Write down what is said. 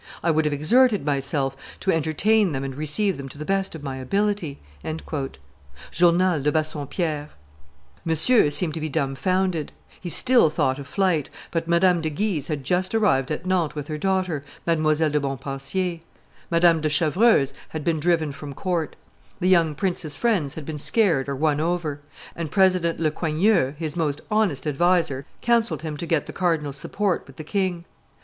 I would have exerted myself, to entertain them and receive them to the best of my ability." [Journal de Bassompierre, t. ii.] Monsieur seemed to be dumbfounded; he still thought of flight, but Madame de Guise had just arrived at Nantes with her daughter, Mdlle. de Montpensier; Madame de Chevreuse had been driven from court; the young prince's friends had been scared or won over; and President le Coigneux, his most honest adviser, counselled him get the cardinal's support with the king.